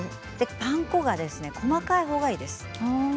パン粉は細かいほうがいいです。